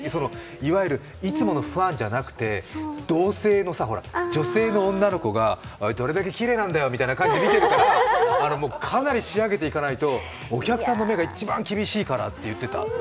いわゆるいつものファンじゃなくて同性の女性の女の子が、「どれだけきれいなんだよ」って見てるからかなり仕上げていかないとお客さんの目が一番厳しいからって言ってた。